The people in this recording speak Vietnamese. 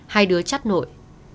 hai đứa chắt nội